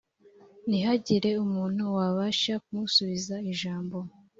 ntihagira umuntu wabasha kumusubiza ijambo